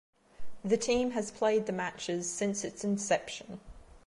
The team has played the matches since its inception.